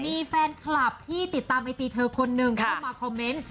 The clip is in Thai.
มีแฟนคลับที่ติดตามไอจีเธอคนหนึ่งเข้ามาคอมเมนต์